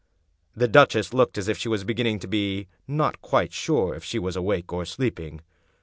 The duchess looked as if she was beginning to be not quite sure if she was awake or sleeping.